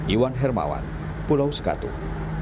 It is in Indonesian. iwan hermawan pulau sekatung